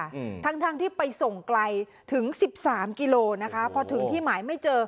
อืมทั้งทั้งที่ไปส่งไกลถึงสิบสามกิโลนะคะพอถึงที่หมายไม่เจอ